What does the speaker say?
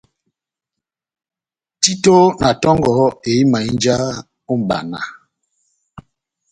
Tito na tongɔ éhimahínja ó mʼbana